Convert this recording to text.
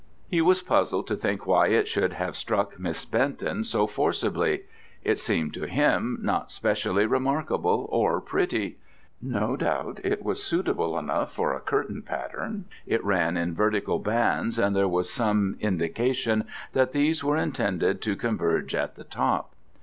He was puzzled to think why it should have struck Miss Denton so forcibly. It seemed to him not specially remarkable or pretty. No doubt it was suitable enough for a curtain pattern: it ran in vertical bands, and there was some indication that these were intended to converge at the top.